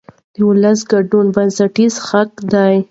د ولس ګډون بنسټیز حق دی